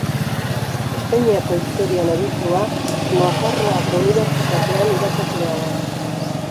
Espainiako historian aditua, Nafarroako Unibertsitatean irakaslea da.